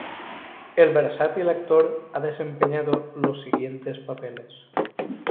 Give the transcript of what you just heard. El versátil actor ha desempeñado los siguientes papeles:.